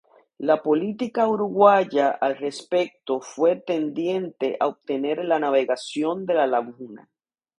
La política uruguaya al respecto fue tendiente a obtener la navegación de la laguna.